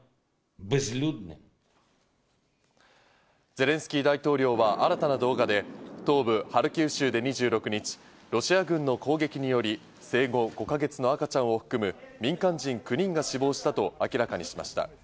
ゼレンスキー大統領は新たな動画で東部ハルキウ州で２６日、ロシア軍の攻撃により生後５か月の赤ちゃんを含む民間人９人が死亡したと明らかにしました。